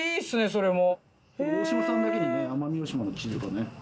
それも。